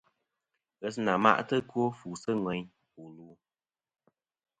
Ghesɨnà ma'tɨ ɨkwo fu sɨ ŋweyn wu lu.